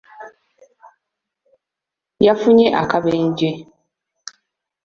Yafunye akabenje.